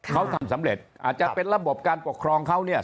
เขาทำสำเร็จอาจจะเป็นระบบการปกครองเขาเนี่ย